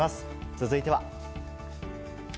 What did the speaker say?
続いては。